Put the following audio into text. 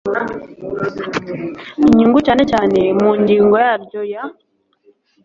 inyungu cyane cyane mu ngingo yaryo ya